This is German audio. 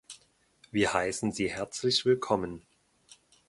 Wir heißen Sie herzlich willkommen.